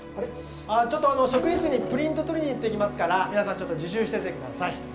ちょっと職員室にプリント取りに行ってきますから皆さんちょっと自習しててください。